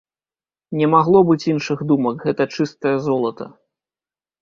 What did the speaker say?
Не магло быць іншых думак, гэта чыстае золата.